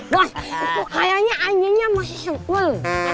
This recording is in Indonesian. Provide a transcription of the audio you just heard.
bos kayaknya anjingnya masih sekul